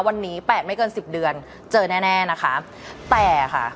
วันนี้แปดไม่เกินสิบเดือนเจอแน่แน่นะคะแต่ค่ะ